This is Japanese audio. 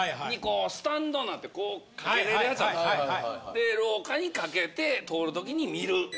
で廊下にかけて通るときに見る。